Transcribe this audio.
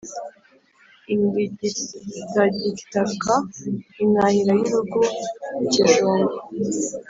Indigitagitaka intahira y'urugo-Ikijumba.